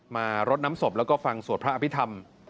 รดน้ำศพแล้วก็ฟังสวดพระอภิษฐรรม